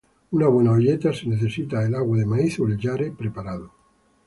Una buena olleta se necesita el agua de maíz o el yare preparado.